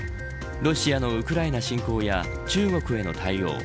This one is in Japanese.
ロシアのウクライナ侵攻や中国への対応